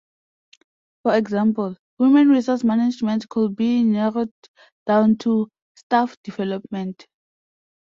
For example, Human resource management could be narrowed down to: Staff development.